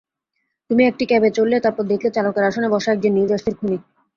তুমি একটি ক্যাবে চড়লে, তারপর দেখলে চালকের আসনে বসা একজন নিউ জার্সির খুনি।